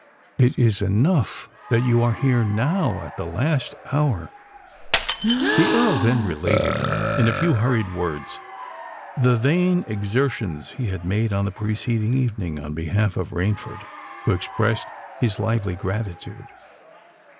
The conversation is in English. It is enough that you are here now—at the last hour!" The Earl then related, in a few hurried words, the vain exertions he had made on the preceding evening on behalf of Rainford, who expressed his lively gratitude.